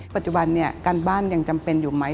ปัจจุบันเนี่ยการบ้านยังจำเป็นอยู่ไหม